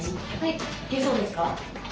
いけそうですか？